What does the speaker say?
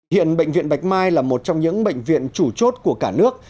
hiện bệnh viện bạch mai là một trong những bệnh viện chủ chốt của cả nước